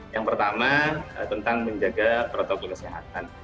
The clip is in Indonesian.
yang pertama tentang menjaga protokol kesehatan